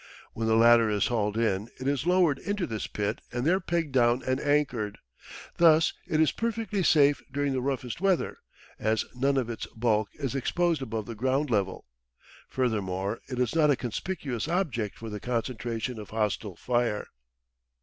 When the latter is hauled in it is lowered into this pit and there pegged down and anchored. Thus it is perfectly safe during the roughest weather, as none of its bulk is exposed above the ground level. Furthermore it is not a conspicuous object for the concentration of hostile fire.